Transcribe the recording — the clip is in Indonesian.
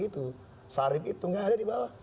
itu sarip itu nggak ada di bawah